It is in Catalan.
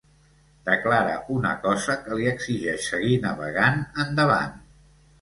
Declara una cosa que li exigeix seguir navegant, endavant.